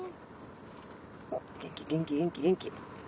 おっ元気元気元気元気。